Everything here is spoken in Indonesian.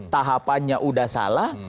tahapannya sudah salah